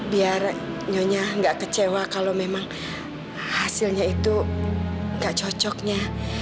biar nyonya nggak kecewa kalau memang hasilnya itu gak cocoknya